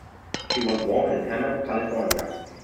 She was born in Hemet, California.